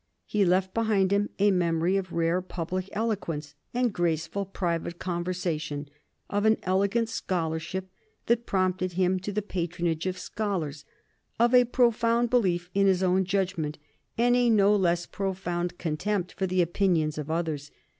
He left behind him a memory of rare public eloquence and graceful private conversation, of an elegant scholarship that prompted him to the patronage of scholars, of a profound belief in his own judgment, and a no less profound contempt for the opinions of others.